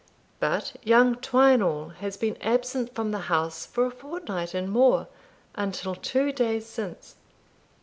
But young Twineall has been absent from the house for a fortnight and more, until two days since."